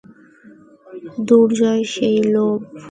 দুর্জয় সেই লোভ।